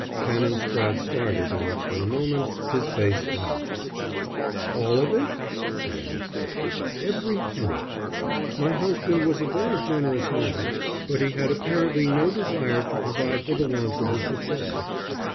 Canon Spratte started and for a moment his face fell. "All of it?" he asked. "Every penny. My husband was a very generous man, but he had apparently no desire to provide for the wants of his successor.